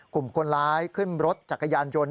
กลุ่มคนร้ายขึ้นรถจักรยานยนต์